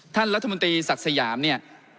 ท่านรัฐมนตรีศักดิ์สยามเนี่ย